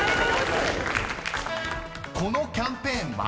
［このキャンペーンは？］